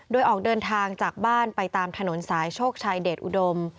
โดยออกเดินทางจากบ้านไปตามถนนสายโชคชัยเดชอุดม